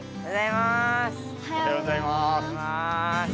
おはようございます。